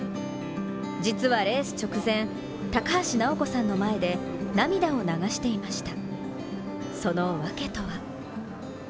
実はレース直前、高橋尚子さんの前で涙を流していました。